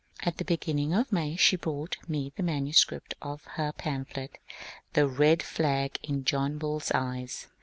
At the beginning of May she brought me the manuscript of her pamphlet, " The Red Flag in John Bull's Eyes."